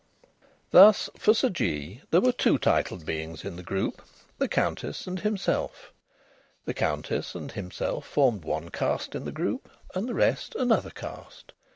Thus for Sir Jee there were two titled beings in the group the Countess and himself. The Countess and himself formed one caste in the group, and the rest another caste.